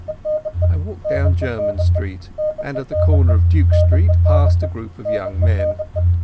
I walked down Jermyn Street, and at the corner of Duke Street passed a group of young men.